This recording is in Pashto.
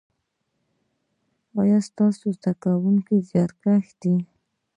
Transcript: ایا ستاسو زده کونکي زیارکښ دي؟